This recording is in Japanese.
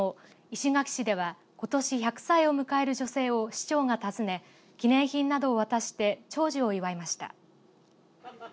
石垣市ではことし１００歳を迎える女性を市長が訪ね、記念品などを渡して長寿を祝いました。